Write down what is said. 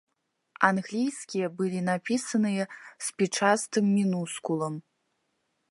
Англійскія былі напісаныя спічастым мінускулам.